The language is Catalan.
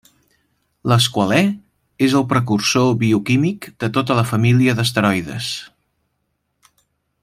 L'esqualè és el precursor bioquímic de tota la família d'esteroides.